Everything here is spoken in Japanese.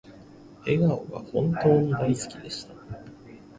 笑顔が本当に大好きでした